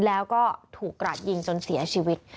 แล้วก็ถูกกราดยิงจนเสียชีวิต